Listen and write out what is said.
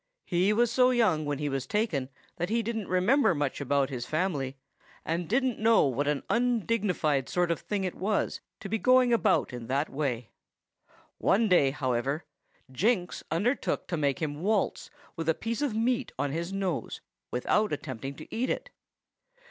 He was so young when he was taken that he didn't remember much about his family, and didn't know what an undignified sort of thing it was to be going about in that way. One day, however, Jinks undertook to make him waltz with a piece of meat on his nose, without attempting to eat it.